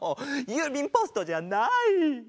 ゆうびんポストじゃない！